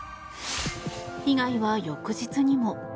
被害は翌日にも。